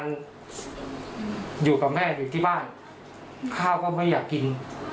มันอยู่กับแม่อยู่ที่บ้านข้าวก็ไม่อยากกิน